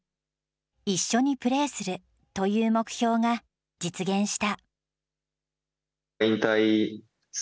一緒にプレーするという目標が実現した。